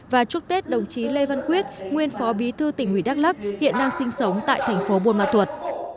và chúc tết đồng chí lê văn quyết nguyên phó bí thư tỉnh ủy đắk lắc hiện đang sinh sống tại thành phố buôn ma thuột